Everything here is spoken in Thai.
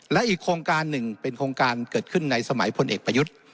และอีกโครงการหนึ่งเป็นโครงการเกิดขึ้นในสมัยพลเอกประยุทธ์